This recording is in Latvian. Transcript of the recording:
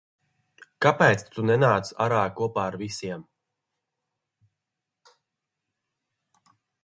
Kāpēc tu nenāc āra kopā ar visiem?